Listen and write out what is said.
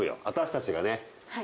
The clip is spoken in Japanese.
私たちがね